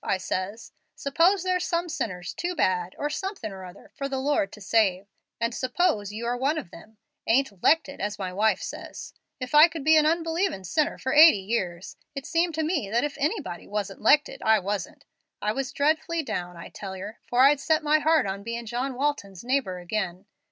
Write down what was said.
I says, 'Suppose there's some sinners too bad, or too somethin' or other, for the Lord to save, and suppose you are one of them, ain't ''lected,' as my wife says. If I could be an unbelievin' sinner for eighty years, it seemed to me that if anybody wasn't 'lected I wasn't. I was dreadfully down, I tell yer, for I'd set my heart on bein' John Walton's neighbor again.